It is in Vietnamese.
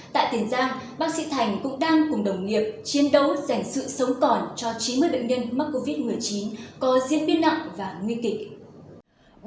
tại tiền giang bác sĩ thành cũng đang cùng đồng nghiệp chiến đấu dành sự sống còn cho chín mươi bệnh nhân mắc covid một mươi chín có diễn biến nặng và nguy kịch